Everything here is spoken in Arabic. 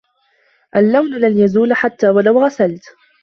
اللون لن يزول، حتى ولو غسلت.